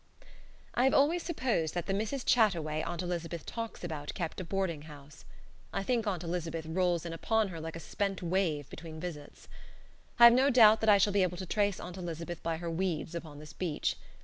I have always supposed that the Mrs. Chataway Aunt Elizabeth talks about kept a boarding house. I think Aunt Elizabeth rolls in upon her like a spent wave between visits. I have no doubt that I shall be able to trace Aunt Elizabeth by her weeds upon this beach.